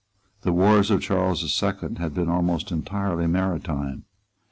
The wars of Charles the Second had been almost entirely maritime.